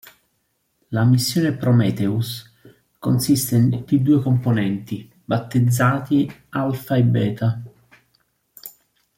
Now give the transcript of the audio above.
La missione "Prometheus" consiste di due componenti, battezzati Alpha e Beta.